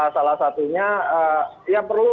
salah satunya ya perlu